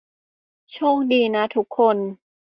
โชคดีนะทุกคน